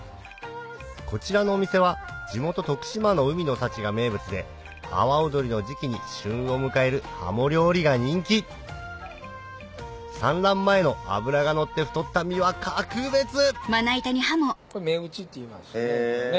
こちらのお店は地元徳島の海の幸が名物で阿波おどりの時季に旬を迎えるハモ料理が人気産卵前の脂が乗って太った身は格別これ目打ちって言いますこれね。